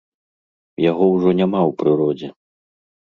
Яго ўжо няма ў прыродзе.